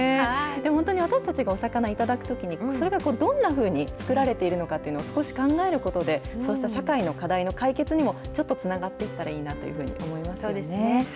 本当に私たちがお魚頂くときに、それがどんな風に作られているのかっていうのを少し考えることで、そうした社会の課題の解決にもちょっとつながっていったらいいなそうですね。